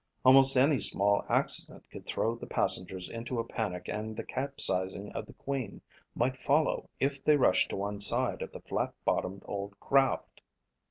Almost any small accident could throw the passengers into a panic and the capsizing of the Queen might follow if they rushed to one side of the flat bottomed old craft.